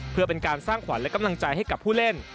เพื่อเป็นการสร้างขวัญและกำลังใจให้กับผู้เล่น